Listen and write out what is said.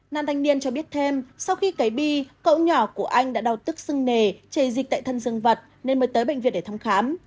nam thanh niên cho biết thêm sau khi cấy bi cậu nhỏ của anh đã đau tức sưng nề chảy dịch tại thân dân vật nên mới tới bệnh viện để thăm khám